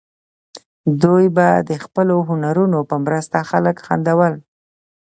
دوی به د خپلو هنرونو په مرسته خلک خندول.